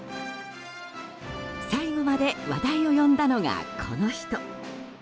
最後まで話題を呼んだのがこの人。